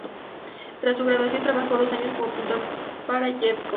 Tras su graduación, trabajó dos años como pintor para Jeff Koons.